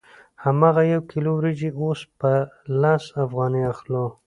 هماغه یو کیلو وریجې اوس په لس افغانۍ اخلو